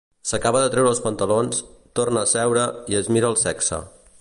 S'acaba de treure els pantalons, torna a seure i es mira el sexe.